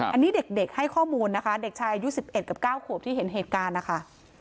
อันนี้เด็กให้ข้อมูลนะคะเด็กชายอายุ๑๑กับ๙ขวบที่เห็นเหตุการณ์นะคะ